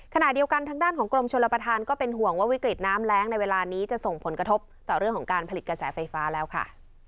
ขณะเดียวกันทางด้านของกรมชลประธานก็เป็นห่วงว่าวิกฤตน้ำแรงในเวลานี้จะส่งผลกระทบต่อเรื่องของการผลิตกระแสไฟฟ้าแล้วค่ะ